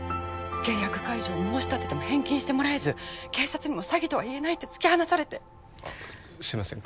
契約解除を申し立てても返金してもらえず警察にも詐欺とは言えないって突き放されてすいません